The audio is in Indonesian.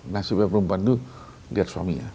nasib yang perempuan itu lihat suaminya